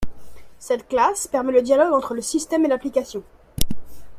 Cette classe permet le dialogue entre le système et l'application.